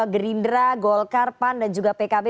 gerindra golkar pan dan juga pkb